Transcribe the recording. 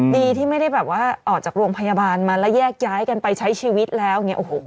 ดีที่ไม่ได้แบบว่าออกจากโรงพยาบาลมาแล้วแยกย้ายกันไปใช้ชีวิตแล้ว